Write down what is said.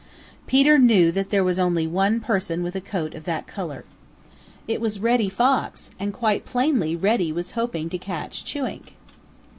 Peter knew that there was only one person with a coat of that color. It was Reddy Fox, and quite plainly Reddy was hoping to catch Chewink.